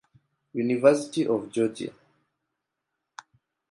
University of Georgia.